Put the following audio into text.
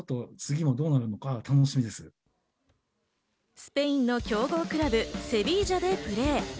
スペインの強豪クラブ、セビージャでプレー。